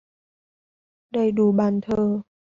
Đầy đủ bàn thờ